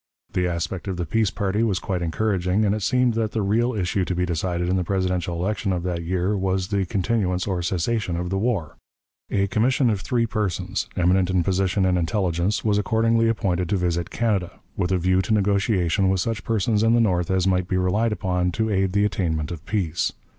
The aspect of the peace party was quite encouraging, and it seemed that the real issue to be decided in the Presidential election of that year, was the continuance or cessation of the war. A commission of three persons, eminent in position and intelligence, was accordingly appointed to visit Canada, with a view to negotiation with such persons in the North as might be relied upon to aid the attainment of peace.